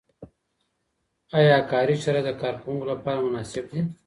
آیا کاري شرایط د کارکوونکو لپاره مناسب دي؟